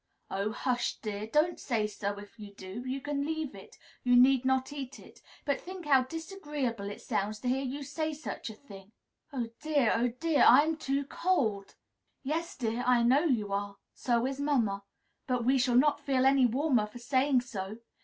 "Oh! hush, dear! Don't say so, if you do. You can leave it. You need not eat it. But think how disagreeable it sounds to hear you say such a thing." "Oh, dear! Oh, dear! I am too cold." "Yes, dear, I know you are. So is mamma. But we shall not feel any warmer for saying so.